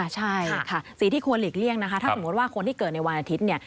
ใช่ค่ะสีที่ควรหลีกเลี่ยงนะคะถ้าสมมุติว่าคนที่เกิดในวันอาทิตย์เนี่ย